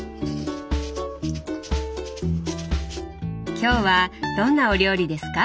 今日はどんなお料理ですか？